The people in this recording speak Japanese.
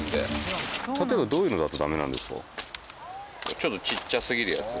ちょっとちっちゃすぎるやつ。